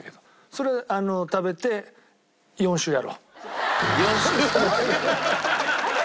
それ食べて４週やろう。